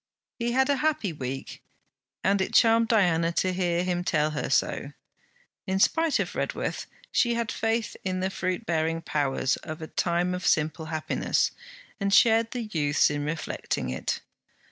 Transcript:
He had a happy week, and it charmed Diana to hear him tell her so. In spite of Redworth, she had faith in the fruit bearing powers of a time of simple happiness, and shared the youth's in reflecting it.